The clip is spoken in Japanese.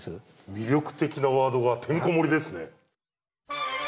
魅力的なワードがてんこ盛りですね。